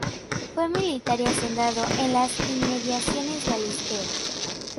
Fue militar y hacendado en las inmediaciones Galisteo.